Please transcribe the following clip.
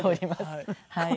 はい。